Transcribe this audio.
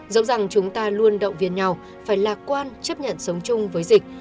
giống rằng chúng ta luôn động viên nhau phải lạc quan chấp nhận sống chung với dịch